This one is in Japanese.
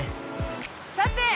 さて！